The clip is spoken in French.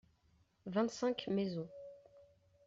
Vingt-cinq maisons.